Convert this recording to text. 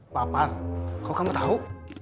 pak pan kok kamu tahu